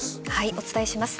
お伝えします。